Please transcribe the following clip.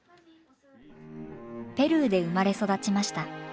ペルーで生まれ育ちました。